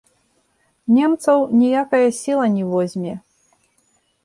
Немцаў ніякая сіла не возьме.